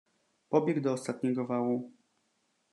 "Pobiegł do ostatniego wału."